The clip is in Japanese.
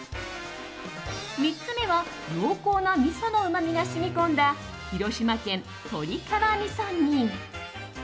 ３つ目は濃厚なみそのうまみが染み込んだ広島県、鳥皮みそ煮。